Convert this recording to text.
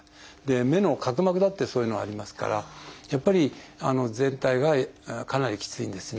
目の角膜だってそういうのがありますからやっぱり全体がかなりきついんですね。